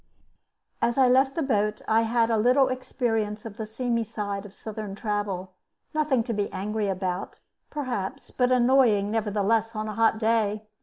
As I left the boat I had a little experience of the seamy side of Southern travel; nothing to be angry about, perhaps, but annoying, nevertheless, on a hot day.